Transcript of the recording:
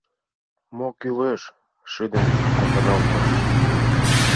— Мо кӱлеш? — шыдын кокыралтыш.